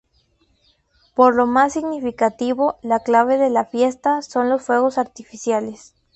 Pero lo más significativo, la clave de la fiesta, son los fuegos artificiales.